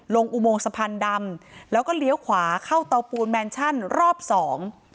อุโมงสะพานดำแล้วก็เลี้ยวขวาเข้าเตาปูนแมนชั่นรอบสอง